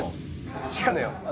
違うのよ